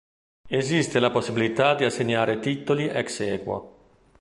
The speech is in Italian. Esiste la possibilità di assegnare titoli "ex aequo".